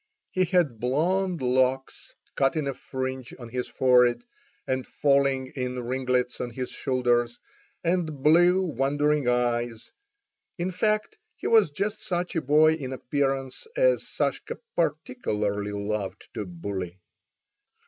He had blonde locks cut in a fringe on his forehead and falling in ringlets on his shoulders, and blue, wondering eyes; in fact, he was just such a boy in appearance as Sashka particularly loved to bully.